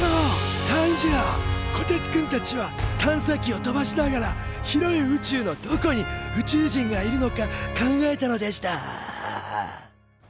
こてつくんたちは探査機を飛ばしながら広い宇宙のどこに宇宙人がいるのか考えたのでした